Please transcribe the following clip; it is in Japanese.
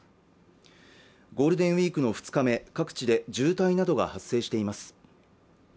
ゴールデンウイークの２日目各地で渋滞などが発生しています